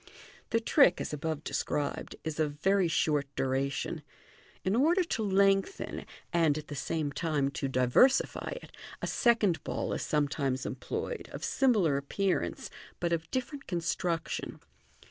The trick, as above described, is of very short duration. In ordei to lengthen, and at the same time to diversify it, a second ball is some times employed, of simi lar appearance, but of differ^ nt construction.